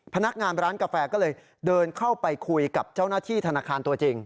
พนักงานร้านกาแฟก็เลยเดินเข้าไปคุยกับเจ้าหน้าที่ธนาคารตัวจริง